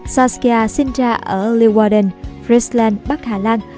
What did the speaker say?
saskia sinh ra ở leeuwarden friesland bắc hà lan